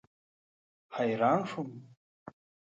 حیران شوم.